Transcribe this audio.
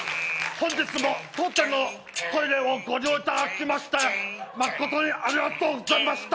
本日も当店のトイレをご利用いただきましてまことにありがとうございました